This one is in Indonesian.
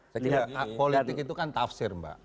saya kira politik itu kan tafsir mbak